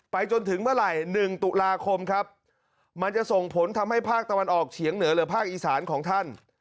จนถึงเมื่อไหร่๑ตุลาคมครับมันจะส่งผลทำให้ภาคตะวันออกเฉียงเหนือหรือภาคอีสานของท่าน